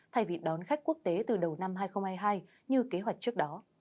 thay vì đón khách quốc tế từ đầu năm hai nghìn hai mươi hai như kế hoạch trước đó